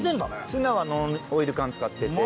ツナはノンオイル缶使ってて。